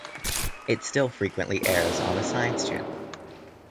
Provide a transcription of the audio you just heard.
It still frequently airs on The Science Channel.